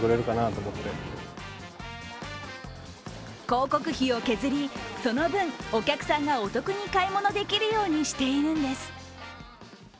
広告費を削り、その分、お客さんがお得に買い物できるようにしているんです。